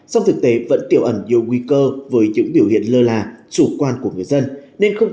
song thực tế vẫn tiểu ẩn nhiều nguy cơ với những biểu hiện lơ là chủ quan của người dân